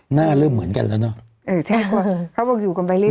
หน้าเริ่มเหมือนกันแล้วเนอะเออใช่เขาบอกอยู่กันไปเรื